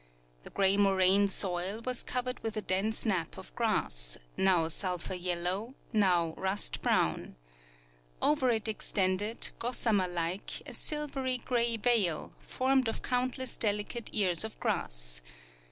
The gray moraine soil was covered with a dense nap of grass, now sulphur yellow, now rust brown. Over it extended, gossamer like, a silvery gray veil, formed of countless delicate ears of grass.